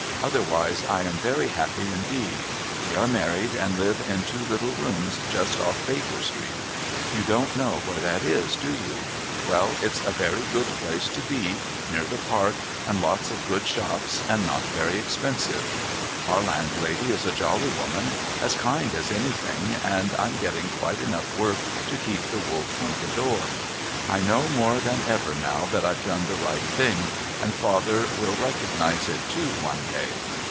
Otherwise I am very happy indeed. We are married and live in two little rooms just off Baker Street. You don't know where that is, do you? Well, it's a very good place to be, near the park, and lots of good shops and not very expensive. Our landlady is a jolly woman, as kind as anything, and I'm getting quite enough work to keep the wolf from the door. I know more than ever now that I've done the right thing, and father will recognise it, too, one day.